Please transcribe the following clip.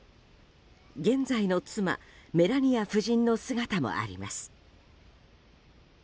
現在の妻メラニア夫人の姿もあります。